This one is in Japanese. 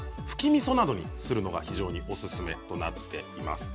みそなどにするのが非常におすすめとなっています。